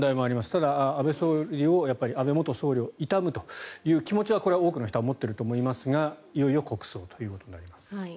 ただ、安倍元総理を悼むという気持ちはこれは多くの人は持っていると思いますがいよいよ国葬ということになります。